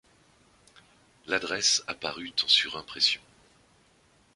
L’adresse apparut en surimpression.